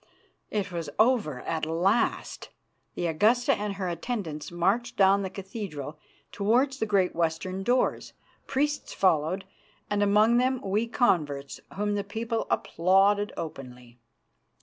It was over at last. The Augusta and her attendants marched down the cathedral towards the great western doors, priests followed, and, among them, we converts, whom the people applauded openly.